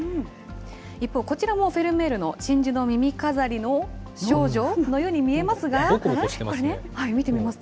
一方こちらもフェルメールの真珠の耳飾りの少女？のように見ぼこぼこしてますね。